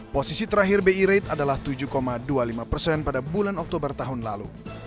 posisi terakhir bi rate adalah tujuh dua puluh lima persen pada bulan oktober tahun lalu